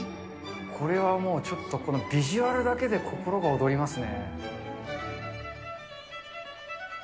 これはもう、ちょっとこのビジュアルだけで心が躍りますね。